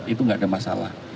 itu tidak ada masalah